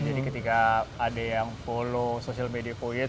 jadi ketika ada yang follow sosial media voyage